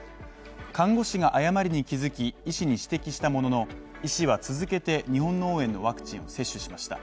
看護師が誤りに気付き、医師に指摘したものの、医師は続けて日本脳炎のワクチンを接種しました。